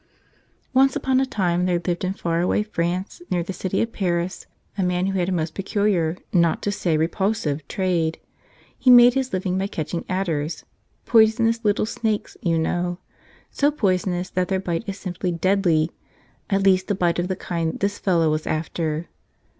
Once upon a time there lived in far away France, near the city of Paris, a man who had a most peculiar, not to say repulsive, trade. He made his living by catching adders, — poisonous little snakes, you know — so poisonous that their bite is simply deadly, at least the bite of the kind this fellow was after.